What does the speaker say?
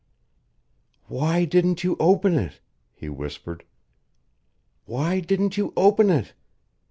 "Why didn't you open it?" he whispered. "Why didn't you open it?